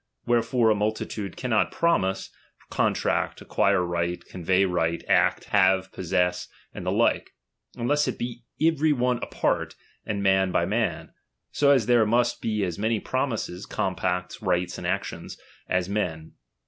Wherefore a multitude cannot promise, contract, acquire right, convey right, act, have, possess, and the like, unless it be every one apart, and man by man ; so as there must be as many promises, compacts, rights, and actions, as men.